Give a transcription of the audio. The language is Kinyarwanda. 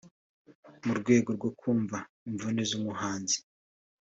mu rwego rwo kumva imvune z’umuhanzi